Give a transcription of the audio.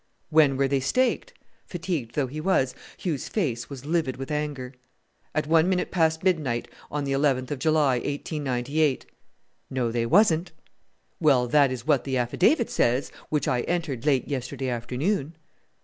"When were they staked?" Fatigued though he was, Hugh's face was livid with anger. "At one minute past midnight of the 11th of July, 1898." "No, they wasn't." "Well, that is what the affidavit says which I entered late yesterday afternoon."